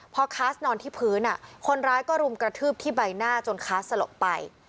พอคัสนอนที่พื้นคนร้ายก็รุมกระทืบที่ใบหน้าจนค้าสลบไป